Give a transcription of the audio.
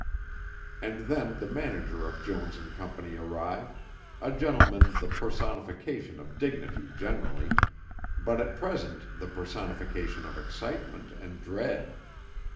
And then the manager of Jones & Co. arrived, a gentleman the personification of dignity generally, but at present the personification of excitement and dread.